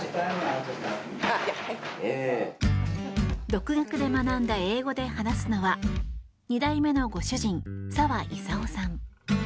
独学で学んだ英語で話すのは２代目のご主人、澤功さん。